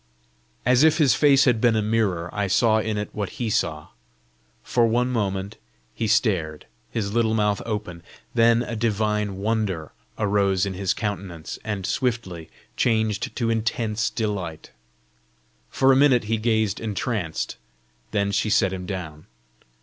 As if his face had been a mirror, I saw in it what he saw. For one moment he stared, his little mouth open; then a divine wonder arose in his countenance, and swiftly changed to intense delight. For a minute he gazed entranced, then she set him down.